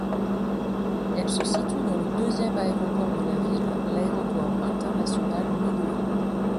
Elle se situe dans le deuxième aéroport de la ville, l'aéroport international Midway.